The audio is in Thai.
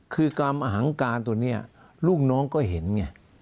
คือกรรมอหังการตัวนี้ลูกน้องก็เห็นไง